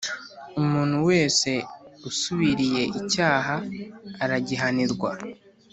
umuntu wese usubiriye icyaha aragihanirwa